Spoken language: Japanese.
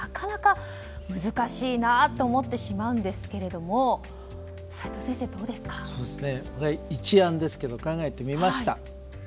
考えてみてもなかなか難しいなと思ってしまうんですけれども一案ですけど考えてみました。